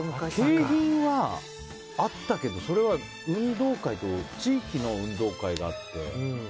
景品はあったけどそれは運動会と地域の運動会があって。